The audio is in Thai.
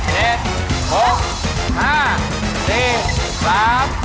เหนื่อยไหมครับ